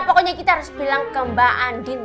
pokoknya kita harus bilang ke mbak andin